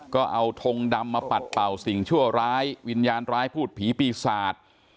ก็เอาทงดำมาปัดเป่าสิ่งชั่วร้ายวิญญาณร้ายพูดผีปีศาจ